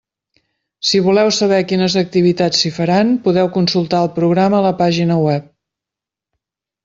Si voleu saber quines activitats s'hi faran, podeu consultar el programa a la pàgina web.